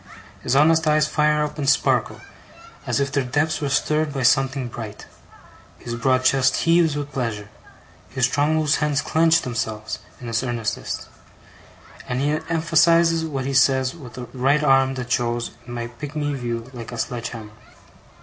His honest eyes fire up, and sparkle, as if their depths were stirred by something bright. His broad chest heaves with pleasure. His strong loose hands clench themselves, in his earnestness; and he emphasizes what he says with a right arm that shows, in my pigmy view, like a sledge hammer.